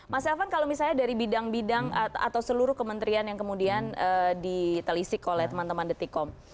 mas elvan kalau misalnya dari bidang bidang atau seluruh kementerian yang kemudian ditelisik oleh teman teman detikom